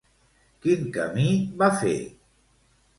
Quin camí va fer?